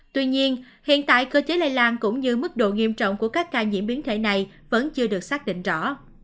tuy nhiên hiện tại cơ chế lây lan cũng như mức độ nghiêm trọng của các ca nhiễm biến thể này vẫn chưa được xác định rõ